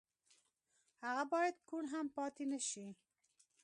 هغه بايد کوڼ هم پاتې نه شي.